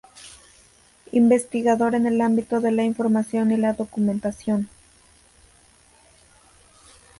Investigador en el ámbito de la Información y la Documentación.